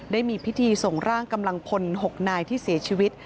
ได้มีพิธีส่งร่างกำลังพล๖นายที่เสียชีวิต